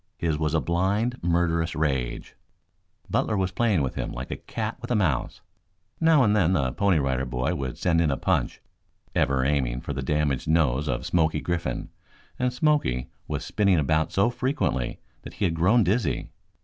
His was a blind, murderous rage. Butler was playing with him like a cat with a mouse. Now and then the Pony Rider Boy would send in a punch, ever aiming for the damaged nose of Smoky Griffin, and Smoky was spinning about so frequently that he had grown dizzy.